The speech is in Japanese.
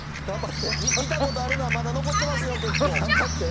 見たことあるのはまだ残ってますよ結構。